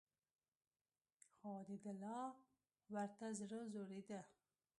خو دده لا ورته زړه ځورېده.